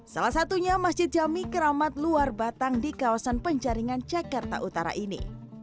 salah satunya masjid jami keramat luar batang di kawasan penjaringan jakarta utara ini